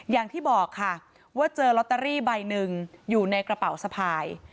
อย่างที่บอกค่ะว่าเจอลอตเตอรี่ใบหนึ่งอยู่ในกระเป๋าสะพาย